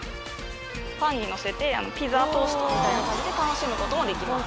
パンにのせてピザトーストみたいな感じで楽しむこともできます。